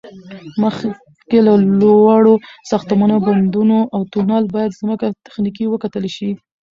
مخکې له لوړو ساختمانو، بندونو، تونل، باید ځمکه تخنیکی وکتل شي